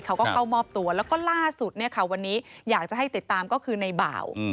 เขาก็เข้ามอบตัวแล้วก็ล่าสุดเนี่ยค่ะวันนี้อยากจะให้ติดตามก็คือในบ่าว